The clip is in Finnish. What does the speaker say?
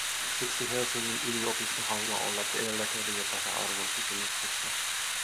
Siksi Helsingin yliopisto haluaa olla edelläkävijä tasa-arvon kysymyksissä.